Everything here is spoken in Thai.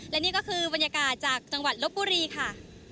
และนี่ก็คือบรรยากาศจากจังหวัดลบบุรีค่ะ